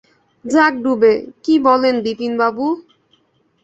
যাক ডুবে, কী বলেন বিপিনবাবু!